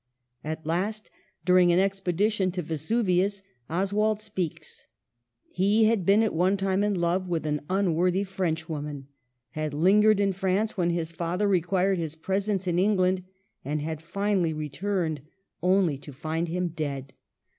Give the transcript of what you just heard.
At last, during an expedition to Vesuvius, Oswald speaks. He had been at one time in love with an un worthy Frenchwoman ; had lingered in France when his father required his presence in England, and had finally returned, only to find him dead.